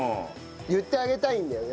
言ってあげたいんだよ